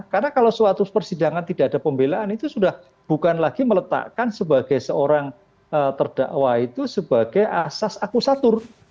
karena kalau suatu persidangan tidak ada pembelaan itu sudah bukan lagi meletakkan sebagai seorang terdakwa itu sebagai asas akusatur